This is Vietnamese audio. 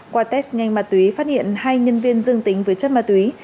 qua test nhanh ma túy phát hiện hai nhân viên dương tính với chất ma túy